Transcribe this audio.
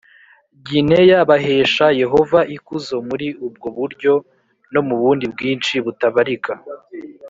Gineya bahesha Yehova ikuzo muri ubwo buryo no mu bundi bwinshi butabarika